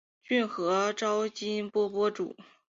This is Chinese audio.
骏河沼津藩藩主。